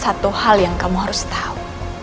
satu hal yang kamu harus tahu